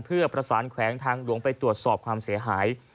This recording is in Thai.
เพื่อประสานแขวงทางหลวงไปตรวจสอบความเสียหาย